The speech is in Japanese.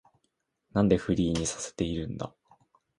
なんでフリーにさせてるんだ